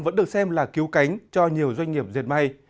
vẫn được xem là cứu cánh cho nhiều doanh nghiệp dệt may